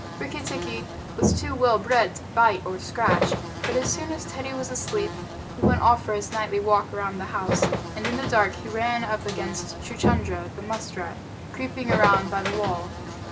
Rikki tikki was too well bred to bite or scratch, but as soon as Teddy was asleep he went off for his nightly walk round the house, and in the dark he ran up against Chuchundra, the musk rat, creeping around by the wall.